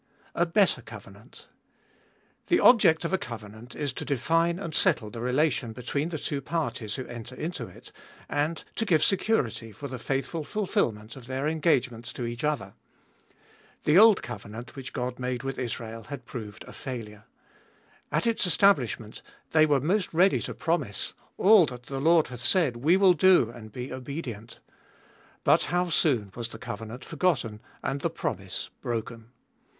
A better covenant. The object of a covenant is to define and settle the relation between the two parties who enter into it, and to give security for the faithful fulfilment of their engage ments to each other. The old covenant which God made with Israel had proved a failure. At its establishment they were most ready to promise, All that the Lord hath said will we do and be obedient. But how soon was the covenant forgotten and the promise broken.